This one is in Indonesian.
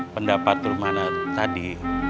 pendapat rumahnya tadi